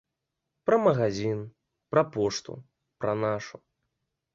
Пра магазін, пра пошту пра нашу.